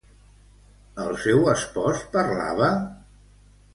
El seu espòs parlava?